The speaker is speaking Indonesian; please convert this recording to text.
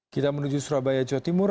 kita menuju surabaya jawa timur